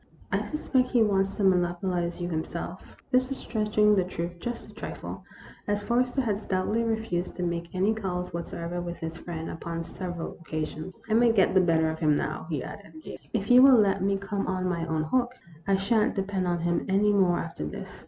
I suspect he wants to monopolize you himself." This was stretching the truth just a trifle, as Forrester had stoutly refused to make any calls whatsoever with his friend upon several occasions. " I may get the better of him now," he added, gaily, "if you will let me come on my own hook. I sha' n't depend upon him any more after this."